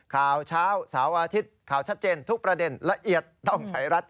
ข่าวเช้าเสาร์อาทิตย์ข่าวชัดเจนทุกประเด็นละเอียดต้องใช้รัฐ